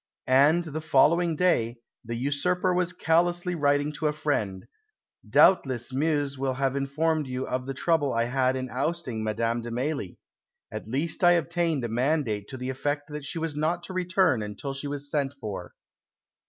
And, the following day, the usurper was callously writing to a friend, "Doubtless Meuse will have informed you of the trouble I had in ousting Madame de Mailly; at last I obtained a mandate to the effect that she was not to return until she was sent for."